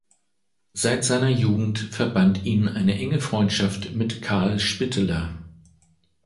Seit seiner Jugend verband ihn eine enge Freundschaft mit Carl Spitteler.